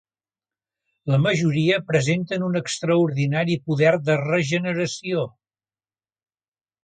La majoria presenten un extraordinari poder de regeneració.